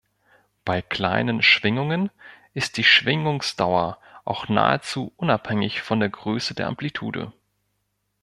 Bei kleinen Schwingungen ist die Schwingungsdauer auch nahezu unabhängig von der Größe der Amplitude.